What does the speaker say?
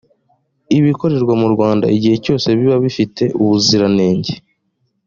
ibikorerwa mu rwanda igihe cyose biba bifite ubuziranenge